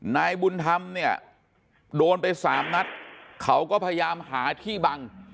นายบุญธรรมเนี่ยโดนไปสามนัดเขาก็พยายามหาที่บัง